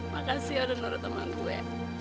makasih ya udah menurut sama gue